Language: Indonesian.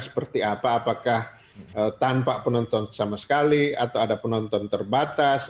seperti apa apakah tanpa penonton sama sekali atau ada penonton terbatas